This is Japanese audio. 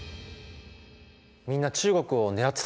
みんな中国を狙ってたんだね。